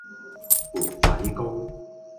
砵仔糕